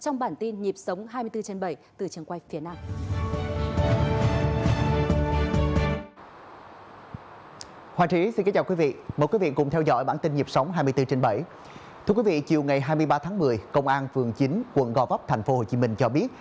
ngày hai mươi ba tháng một mươi công an phường chín quận gò vấp thành phố hồ chí minh cho biết